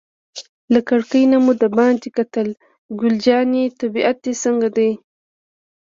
له کړکۍ نه مو دباندې کتل، ګل جانې طبیعت دې څنګه دی؟